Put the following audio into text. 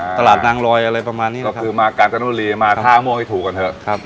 อ่าตลาดนางรอยอะไรประมาณนี้นะครับก็คือมากาญจนุรีมาท่าม่วงให้ถูกก่อนเถอะครับ